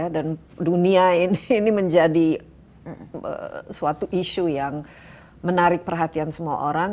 dan dunia ini menjadi suatu isu yang menarik perhatian semua orang